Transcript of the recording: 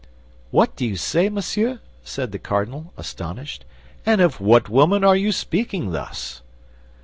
"What do you say, monsieur?" cried the cardinal, astonished; "and of what woman are you speaking thus?"